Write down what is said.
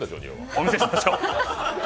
お見せしましょう。